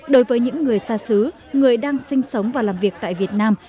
đối với những người xa xứ người đang sinh sống và làm việc tại việt nam